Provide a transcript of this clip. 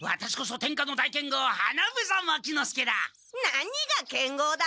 何が剣豪だ！